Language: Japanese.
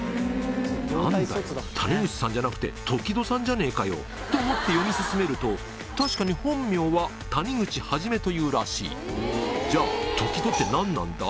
何だよ谷口さんじゃなくてときどさんじゃねえかよと思って読み進めると確かに本名は谷口一というらしいじゃあ「ときど」って何なんだ？